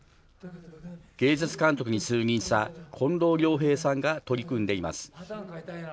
芸術監督に就任した近藤良平さんが取り組んでいます。